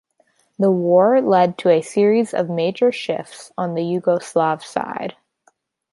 The war led to a series of major shifts on the Yugoslav side.